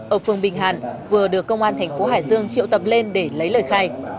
ở phường bình hàn vừa được công an tp hải dương triệu tập lên để lấy lời khai